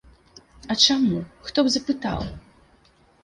А чаму, каб хто запытаў?